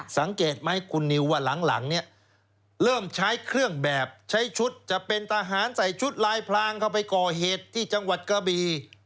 สังเกตไหมคุณนิวว่าหลังเนี่ยเริ่มใช้เครื่องแบบใช้ชุดจะเป็นทหารใส่ชุดลายพลางเข้าไปก่อเหตุที่จังหวัดกระบี